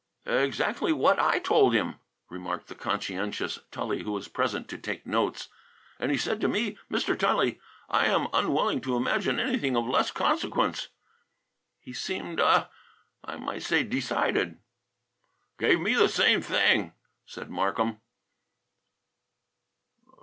"Exactly what I told him," remarked the conscientious Tully, who was present to take notes, "and he said to me, 'Mr. Tully, I am unwilling to imagine anything of less consequence.' He seemed, uh I might say decided." "Gave me the same thing," said Markham.